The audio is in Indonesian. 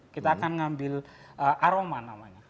kita akan ngambil aroma namanya